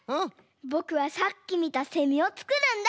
ぼくはさっきみたセミをつくるんだ。